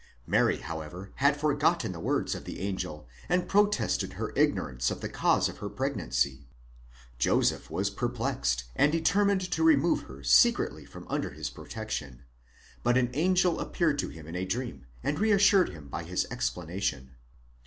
Mary, however, had forgotten the words of the angel and protested her ignorance of the cause of her pregnancy. Joseph was perplexed and determined to remove her secretly from under his protection; but an angel appeared to him in a dream and reassured him by his explanation.